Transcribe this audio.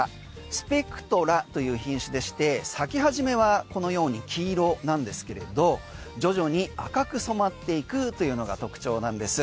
スペクトラという品種でして咲き始めはこのように黄色なんですけれど徐々に赤く染まっていくというのが特徴なんです。